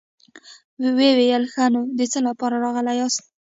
ويې ويل: ښه نو، د څه له پاره راغلي ياست؟